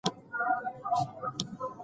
د نیک اولاد ثواب تاسو ته رسیږي.